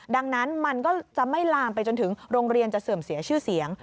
ดังนั้นมันก็จะไม่ลามไปจนถึงโรงเรียนจะเสื่อมเสียชื่อเสียง